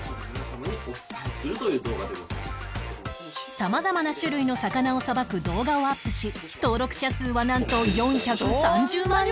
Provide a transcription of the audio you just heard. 様々な種類の魚をさばく動画をアップし登録者数はなんと４３０万人超え